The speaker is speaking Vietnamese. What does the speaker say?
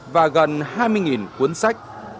và gần hai mươi cuốn sách